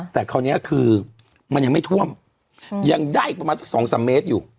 แต่คราวนี้คือมันยังไม่ท่วมยังได้อีกประมาณสัก๒๓เมตรอยู่